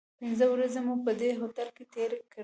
پنځه ورځې مو په دې هوټل کې تیرې کړې.